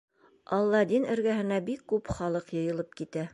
Аладдин эргәһенә бик күп халыҡ йыйылып китә.